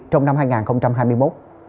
trong năm hai nghìn hai mươi một